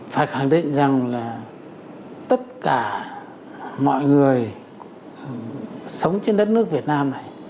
phải khẳng định rằng là tất cả mọi người sống trên đất nước việt nam này